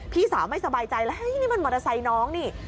พี่สาวไม่สบายใจนี่มันมอเตอร์ไซค์น้องนี่